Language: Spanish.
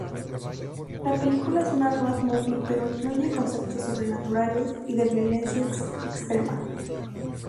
La película es una road movie pero incluye conceptos sobrenaturales y de violencia extrema.